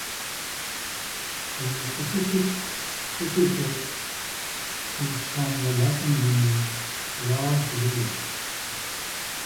The specific epithet is from the Latin meaning "large leaved".